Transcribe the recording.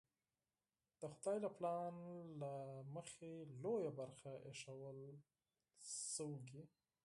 د خدای له پلان له مخې لویه برخه ایښودل شوې.